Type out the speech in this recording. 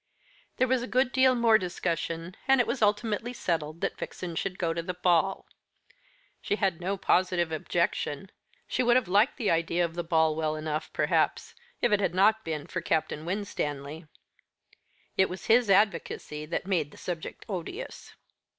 There was a good deal more discussion, and it was ultimately settled that Vixen should go to the ball. She had no positive objection. She would have liked the idea of the ball well enough perhaps, if it had not been for Captain Winstanley. It was his advocacy that made the subject odious.